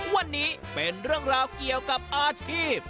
วันนี้เป็นเรื่องราวเกี่ยวกับอาชีพ